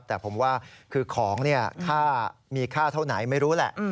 แต่ผมว่าคือของมีค่าเท่าไหนไม่รู้แหละ